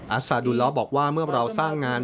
อัศดุลาบอกว่าเมื่อเราสร้างงาน